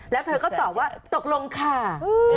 แล้วเธอก็ตอบว่าตกลงค่ะ